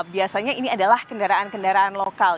biasanya ini adalah kendaraan kendaraan lokal